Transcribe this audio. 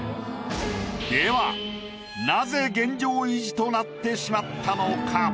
ではなぜ現状維持となってしまったのか？